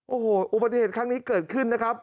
โอ้โหอุบัติเหตุครั้งนี้เกิดขึ้นนะครับ